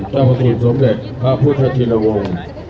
เจ้าประธุสมเด็จข้าพุทธธิลวงศ์